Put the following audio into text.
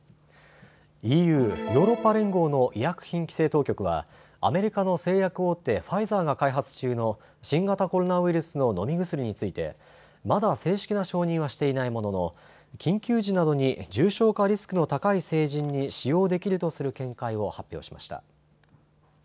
ＥＵ・ヨーロッパ連合の医薬品規制当局はアメリカの製薬大手、ファイザーが開発中の新型コロナウイルスの飲み薬についてまだ正式な承認はしていないものの緊急時などに重症化リスクの高い成人に使用できるとする見解を発表しました。